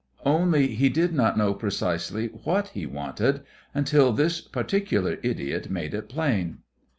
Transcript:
Only he did not know precisely what he wanted until this particular idiot made it plain.